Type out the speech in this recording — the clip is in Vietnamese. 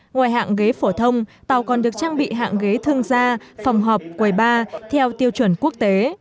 ngoài hạng ghế phổ thông tàu còn được trang bị hạng ghế thương gia phòng họp quầy ba theo tiêu chuẩn quốc tế